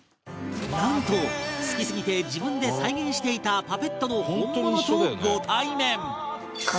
なんと好きすぎて自分で再現していたパペットの本物とご対面